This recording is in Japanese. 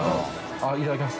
あっいただきます。